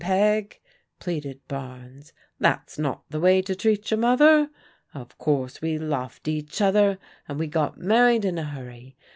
Peg," pleaded Barnes, " that's not the way to treat your mother. Of course we loved each other, and we got married in a hurry.